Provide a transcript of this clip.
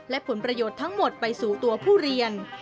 และผลประโยชน์ทั้งหมดไปสู่ตัวผู้เรียน